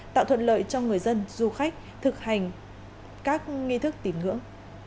tạo thuận lợi cho người dân du khách thực hành các nghi thức tìm ngưỡng